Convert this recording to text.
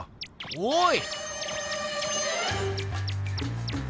おい！